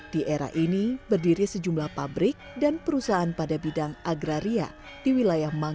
di era ini berdiri sejumlah pabrik dan perusahaan